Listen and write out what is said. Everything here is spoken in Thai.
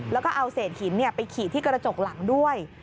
แล้วก็เอาเศษหินไปขีดที่กระจกหลังด้วย